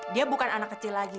dia bukan anak kecil lagi